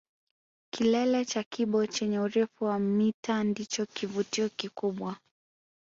Kilele cha Kibo chenye urefu wa mita ndicho kivutio kikubwa